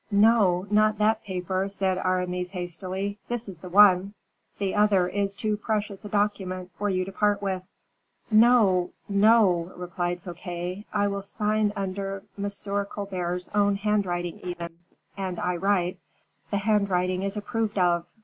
"No, not that paper," said Aramis, hastily; "this is the one. The other is too precious a document for you to part with." "No, no!" replied Fouquet; "I will sign under M. Colbert's own handwriting even; and I write, 'The handwriting is approved of.